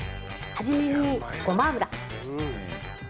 初めにごま油。